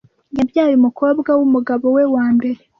Yabyaye umukobwa wumugabo we wa mbere.